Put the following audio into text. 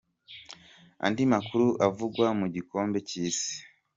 Andi makuru avugwa mu gikombe cy’Isi.